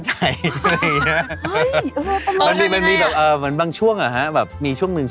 ชาลีคนน้องครับชานะเขาจะตัวโตกว่านิดนึง